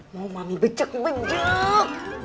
mau mami becek becek